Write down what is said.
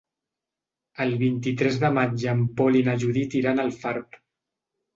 El vint-i-tres de maig en Pol i na Judit iran a Alfarb.